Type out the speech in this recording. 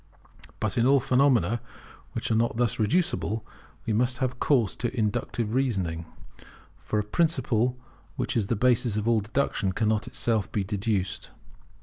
But in all phenomena which are not thus reducible, we must have recourse to inductive reasoning; for a principle which is the basis of all deduction cannot be itself deduced.